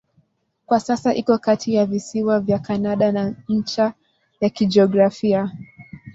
Kwa sasa iko kati ya visiwa vya Kanada na ncha ya kijiografia.